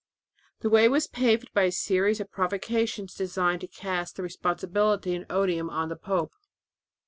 The way was paved by a series of provocations designed to cast the responsibility and odium on the pope.